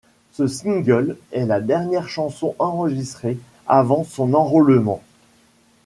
Ce single est la dernière chanson enregistrée avant son enrôlement.